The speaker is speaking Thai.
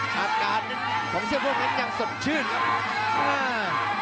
สถานการณ์ของเสียพวกนั้นยังสดชื่นครับ